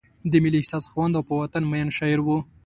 د ملي احساس خاوند او په وطن مین شاعر و.